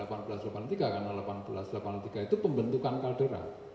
karena seribu delapan ratus delapan puluh tiga itu pembentukan kaldera